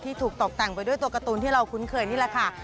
ที่ถูกตกแต่งไปด้วยตัวการ์ตูนที่เราคุ้นเคยที่ราคา